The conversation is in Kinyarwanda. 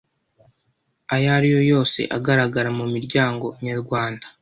ayo ariyo yose agaragara mu miryango nyarwanda.